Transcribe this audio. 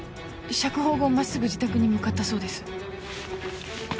釈放後真っすぐ自宅に向かったそうです。